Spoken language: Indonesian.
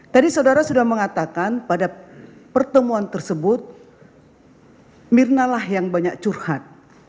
tadi saudara sudah mengatakan pada pertemuan tersebut mirnalah yang banyak curhat